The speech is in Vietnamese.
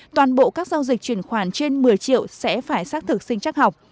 toàn bộ các giao dịch chuyển khoản trên một mươi triệu sẽ phải xác thực sinh trắc học